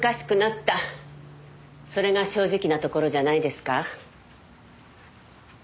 それが正直なところじゃないですか？